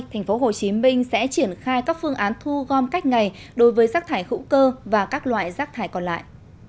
tp hcm sẽ triển khai các phương án thu gom cách ngày đối với rác thải hữu cơ và các loại rác thải còn lại